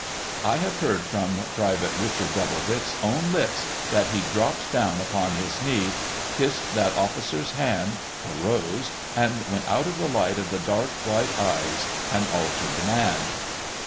I have heard from Private Richard Doubledick's own lips, that he dropped down upon his knee, kissed that officer's hand, arose, and went out of the light of the dark, bright eyes, an altered man.